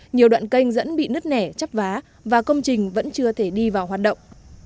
nhiều đoạn kênh dẫn bị nứt nẻ chấp vá và công trình vẫn chưa thể đi vào hoạt động